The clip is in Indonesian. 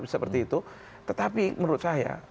seperti itu tetapi menurut saya